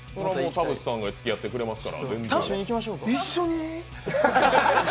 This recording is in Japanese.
田渕さんがそれはもうつきあってくれますから。